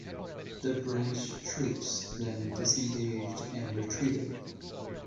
The British troops then disengaged and retreated.